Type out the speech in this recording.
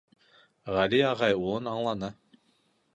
Ғәли ағай улын аңланы.